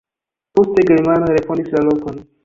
Poste germanoj refondis la lokon.